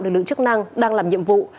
lực lượng chức năng đang làm nhiệm vụ